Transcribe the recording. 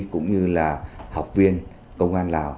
cũng như là học viên công an lào